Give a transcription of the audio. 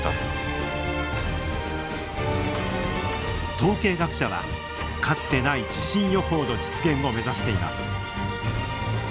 統計学者はかつてない地震予報の実現を目指しています。